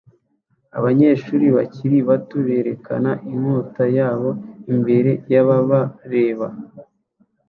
Abanyeshuri bakiri bato berekana inkota yabo imbere yababareba